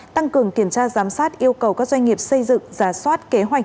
tăng cường kiểm tra giám sát yêu cầu các doanh nghiệp xây dựng giả soát kế hoạch